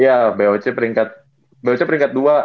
iya boc peringkat boc peringkat dua